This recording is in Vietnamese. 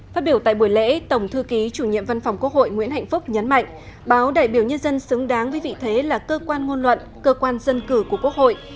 phát biểu tại buổi lễ tổng thư ký chủ nhiệm văn phòng quốc hội nguyễn hạnh phúc nhấn mạnh báo đại biểu nhân dân xứng đáng với vị thế là cơ quan ngôn luận cơ quan dân cử của quốc hội